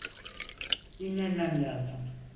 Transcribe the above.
Dinlenmem lazım.